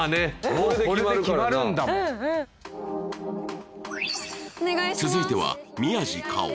これで決まるんだもん続いては宮治果緒